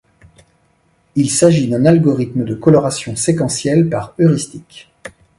Il s'agit d'un algorithme de coloration séquentiel par heuristique.